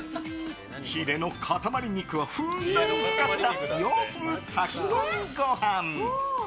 ヒレの塊肉をふんだんに使った洋風炊き込みご飯。